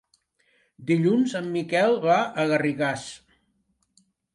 Dilluns en Miquel va a Garrigàs.